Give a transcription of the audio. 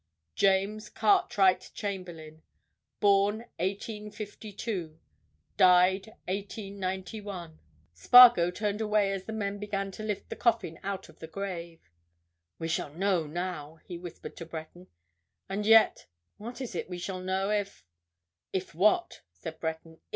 JAMES CARTWRIGHT CHAMBERLAYNE Born 1852 Died 1891 Spargo turned away as the men began to lift the coffin out of the grave. "We shall know now!" he whispered to Breton. "And yet—what is it we shall know if——" "If what?" said Breton.